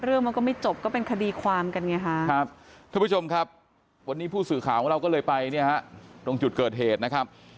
เรื่องมันก็ไม่จบก็เป็นคดีความกันไงฮะครับท่านผู้ชมครับวันนี้ผู้สื่อข่าวของเราก็เลยไปเนี่ยฮะตรงจุดเกิดเหตุนะครับ